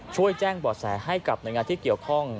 ช่วยแจ้งบ่อแสให้กับหน่วยงานที่เกี่ยวข้อง